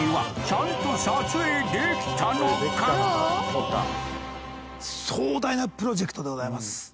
果たして壮大なプロジェクトでございます！